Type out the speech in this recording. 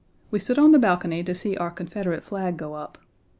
We stood on the balcony to see our Confederate flag go up.